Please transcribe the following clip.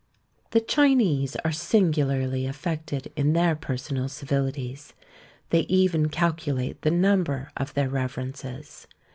The Chinese are singularly affected in their personal civilities. They even calculate the number of their reverences.